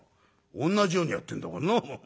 同じようにやってんだからな」。